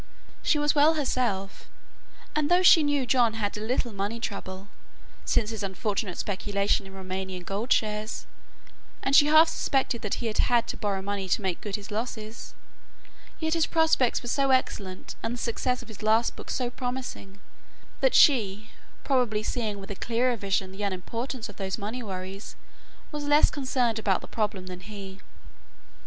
She was well herself, and though she knew John had a little money trouble, since his unfortunate speculation in Roumanian gold shares, and she half suspected that he had had to borrow money to make good his losses, yet his prospects were so excellent and the success of his last book so promising that she, probably seeing with a clearer vision the unimportance of those money worries, was less concerned about the problem than he.